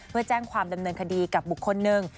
เพื่อแจ้งความดำเนินคดีกับบุคคลหนึ่ง